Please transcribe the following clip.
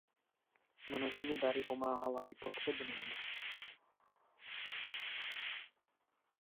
Mnohými dary pomáhala i potřebným.